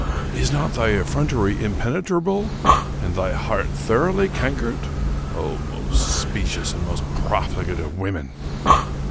Is not thy effrontery impenetrable and thy heart thoroughly cankered? Oh, most specious and most profligate of women